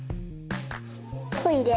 トイレ。